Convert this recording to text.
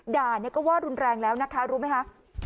ด่าเนี่ยก็ว่ารุนแรงแล้วนะคะรู้ไหมคะ